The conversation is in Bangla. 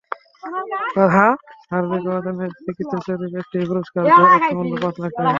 কথাশিল্পে সার্বিক অবদানের স্বীকৃতিস্বরূপ একটি পুরস্কার, যার অর্থমূল্য পাঁচ লাখ টাকা।